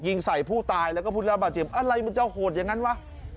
ยิงใส่ผู้ตายแล้วก็ผู้รับบาดเจ็บอะไรมันจะโหดอย่างนั้นวะ